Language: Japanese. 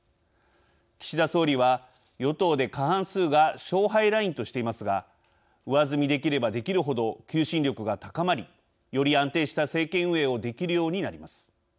岸田総理は、与党で過半数が勝敗ラインとしていますが上積みできればできるほど求心力が高まりより安定した政権運営をできるようになります。